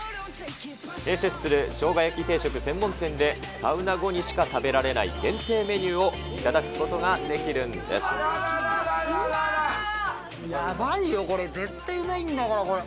併設するしょうが焼き定食専門店でサウナ後にしか食べられない限定メニューを頂くことができやばいよ、これ、絶対うまいんだから、これ。